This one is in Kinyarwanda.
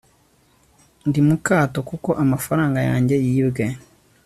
ndi mu kato kuko amafaranga yanjye yibwe